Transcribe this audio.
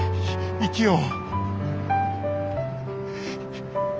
生きよう。